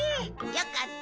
よかった。